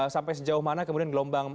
sampai sejauh mana kemudian gelombang